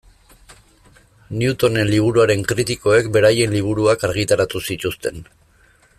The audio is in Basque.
Newtonen liburuaren kritikoek beraien liburuak argitaratu zituzten.